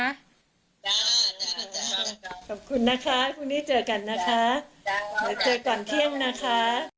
ขอบคุณนะคะพรุ่งนี้เจอกันนะคะเดี๋ยวเจอก่อนเที่ยงนะคะ